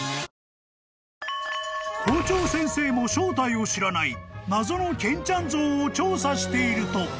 ［校長先生も正体を知らない謎の健ちゃん像を調査していると］